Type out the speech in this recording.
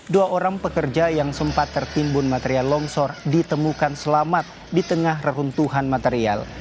dua orang pekerja yang sempat tertimbun material longsor ditemukan selamat di tengah reruntuhan material